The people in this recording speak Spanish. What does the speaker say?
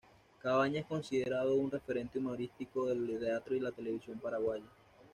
Cabaña es considerado un referente humorístico del teatro y la televisión paraguaya.